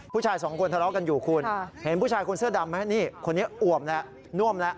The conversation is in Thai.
พี่ใจเย็นพี่ใจเย็น